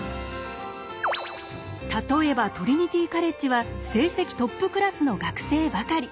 例えばトリニティ・カレッジは成績トップクラスの学生ばかり。